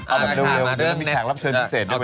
เอาล่ะค่ะเร็วเร็วมีแขกรับเชิญพิเศษด้วยวันนี้